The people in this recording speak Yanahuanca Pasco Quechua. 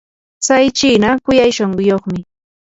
tsay chiina kuyay shunquyuqmi.